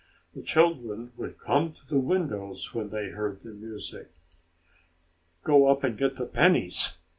The children would come to the windows when they heard the music. "Go up and get the pennies!"